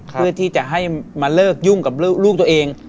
เพื่อที่จะให้มาเลิกยุ่งกับลูกตัวเอง